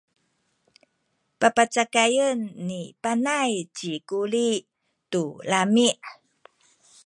papacakayen ni Panay ci Kuli tu lami’.